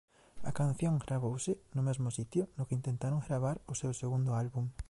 A canción gravouse no mesmo sitio no que intentaron gravar o seu segundo álbum.